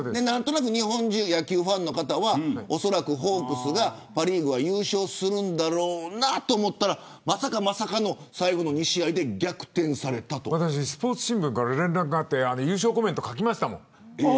日本中の野球ファンの方はおそらくホークスがパ・リーグでは優勝するだろうと思ったらまさかの最後の２試合でスポーツ新聞から連絡があって優勝コメント書きましたもん。